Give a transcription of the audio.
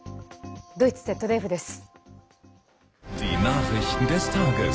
ドイツＺＤＦです。